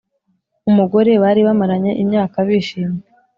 Umugore bari bamaranye imyaka bishimye